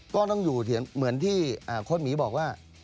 ก็ต้องอยู่เหมือนที่โค้ดหมีบอกว่า